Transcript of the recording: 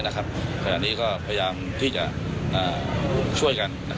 ขณะนี้ก็พยายามที่จะช่วยกัน